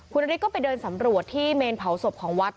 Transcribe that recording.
คุณนฤทธิก็ไปเดินสำรวจที่เมนเผาศพของวัด